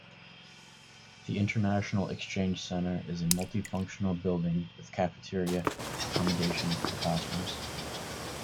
The International Exchange Center is a multi-functional building with cafeteria, accommodation and classrooms.